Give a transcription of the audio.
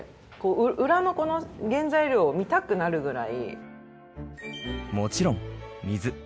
裏のこの原材料を見たくなるくらい。